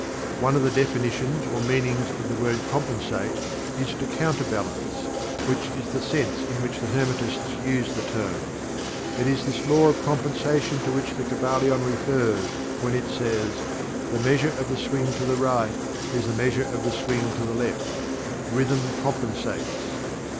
One of the definitions or meanings of the word "Compensate" is, "to counterbalance" which is the sense in which the Hermetists use the term. It is this Law of Compensation to which the Kybalion refers when it says: "The measure of the swing to the right is the measure of the swing to the left; rhythm compensates."